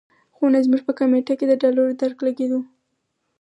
خو نه زموږ په کمېټه کې د ډالرو درک لګېدو.